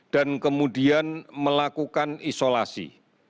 dan kemudian melakukan isolasi